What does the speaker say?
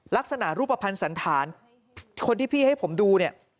รูปภัณฑ์สันธารคนที่พี่ให้ผมดูเนี่ย